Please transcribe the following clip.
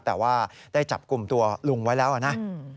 แต่ว่าได้จับกลุ่มตัวลุงไว้แล้วนะ